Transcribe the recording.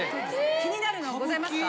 気になるのございますか？